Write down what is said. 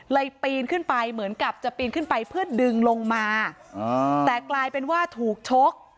ปีนขึ้นไปเหมือนกับจะปีนขึ้นไปเพื่อดึงลงมาแต่กลายเป็นว่าถูกชก